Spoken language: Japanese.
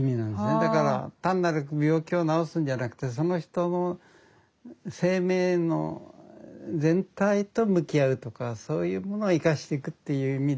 だから単なる病気を治すんじゃなくてその人の生命の全体と向き合うとかそういうものを生かしてくっていう意味で。